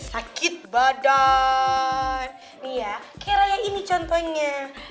sakit badan iya kayak raya ini contohnya